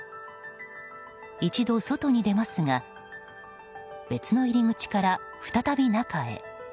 一度、外に出ますが別の入り口から再び中へ。